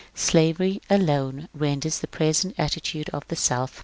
^^ Slavery alone renders the present attitude of the South possible.